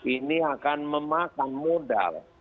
ini akan memakan modal